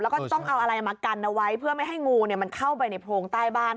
แล้วก็ต้องเอาอะไรมากันเอาไว้เพื่อไม่ให้งูมันเข้าไปในโพรงใต้บ้าน